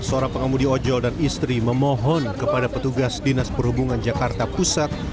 seorang pengemudi ojol dan istri memohon kepada petugas dinas perhubungan jakarta pusat